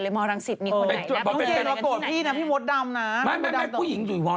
เริ่มแล้วพอดำเริ่มแล้ว